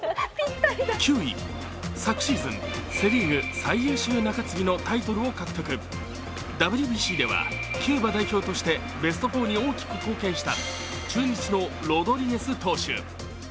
昨シーズン、セ・リーグ最優秀中継ぎのタイトルを獲得、ＷＢＣではキューバ代表としてベスト４に大きく貢献した中日のロドリゲス投手。